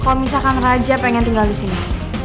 kalau misalkan raja pengen tinggal disini